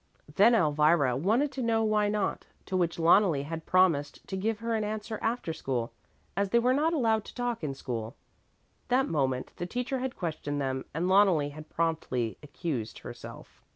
Then Elvira wanted to know why not, to which Loneli had promised to give her an answer after school, as they were not allowed to talk in school. That moment the teacher had questioned them and Loneli had promptly accused herself.